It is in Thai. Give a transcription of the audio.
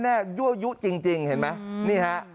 แน่แน่ยั่วยุจริงเห็นไหมนี่ฮะ